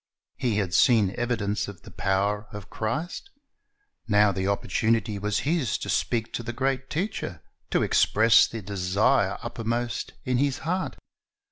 "^ He had seen evidence of the power of Christ. Now the opportunity was his to speak to the great Teacher, to express the desire uppermost in his heart.